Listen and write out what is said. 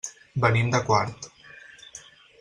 Venim de Quart.